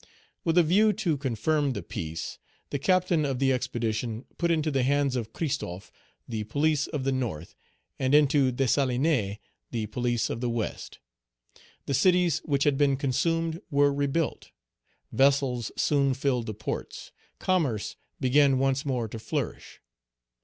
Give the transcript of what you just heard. With a view to confirm the peace, the captain of the expedition put into the hands of Christophe the police of the North, and into Dessalines the police of the West. The cities which had been consumed were rebuilt. Vessels soon filled the ports. Commerce began once more to flourish.